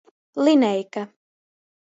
Lineika.